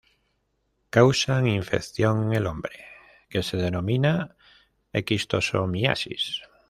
Causan infección en el hombre que se denomina esquistosomiasis.